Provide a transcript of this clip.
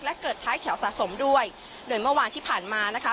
และเกิดท้ายแถวสะสมด้วยโดยเมื่อวานที่ผ่านมานะคะ